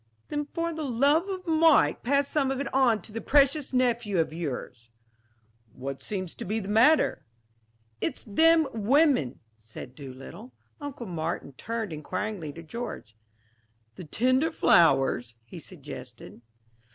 "Then for the love of Mike pass some of it on to this precious nephew of yours." "What seems to be the matter?" "It's them women," said Doolittle. Uncle Martin turned inquiringly to George: "The tender flowers?" he suggested.